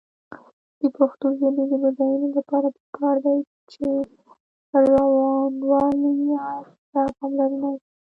د پښتو ژبې د بډاینې لپاره پکار ده چې روانوالي ته پاملرنه وشي.